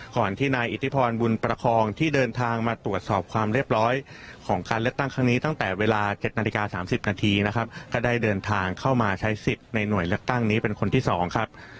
ก่อนที่นายอิทธิพรบุญประคองที่เดินทางมาตรวจสอบความเรียบร้อยของการเลือกตั้งครั้งนี้ตั้งแต่เวลา๗นาฬิกา๓๐นาทีนะครับก็ได้เดินทางเข้ามาใช้สิทธิ์ในหน่วยเลือกตั้งนี้เป็นคนที่๒ครับ